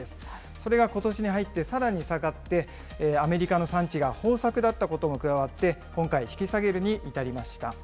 それがことしに入ってさらに下がって、アメリカの産地が豊作だったことも加わって、今回引き下げるに至りました。